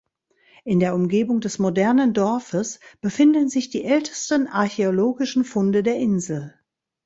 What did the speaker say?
In der Umgebung des modernen Dorfes befinden sich die ältesten archäologischen Funde der Insel.